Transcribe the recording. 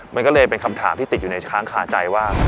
มันก็เลยเป็นคำถามที่ติดอยู่ในช้างคาใจว่า